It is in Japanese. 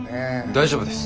大丈夫です。